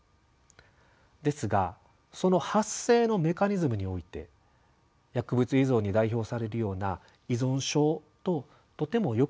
ですがその発生のメカニズムにおいて薬物依存に代表されるような依存症ととてもよく似た部分があります。